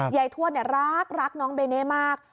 ยายทวดรักน้องเบเน่มาก